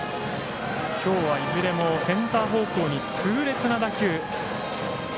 きょうはいずれもセンター方向に痛烈な打球。